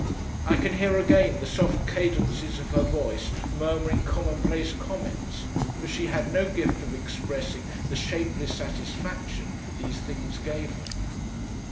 I can hear again the soft cadences of her voice murmuring commonplace comments, for she had no gift of expressing the shapeless satisfaction these things gave her.